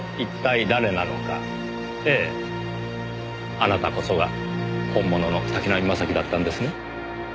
あなたこそが本物の滝浪正輝だったんですね。